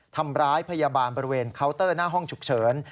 ทำร้ายพยาบาลบริเวณเคาน์เตอร์หน้าห้องฉุกเฉิน